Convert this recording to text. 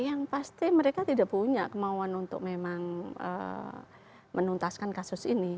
yang pasti mereka tidak punya kemauan untuk memang menuntaskan kasus ini